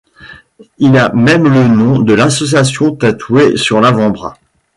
Il a même le nom de l'association tatoué sur l'avant-bras.